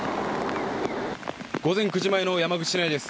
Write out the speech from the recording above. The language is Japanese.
午前９時前の山口市内です。